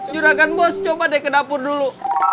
juragan bos coba deh ke dapur dulu